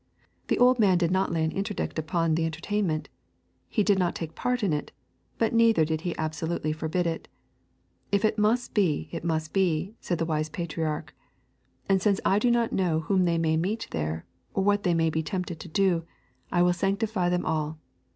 The old man did not lay an interdict upon the entertainment. He did not take part in it, but neither did he absolutely forbid it. If it must be it must be, said the wise patriarch. And since I do not know whom they may meet there, or what they may be tempted to do, I will sanctify them all.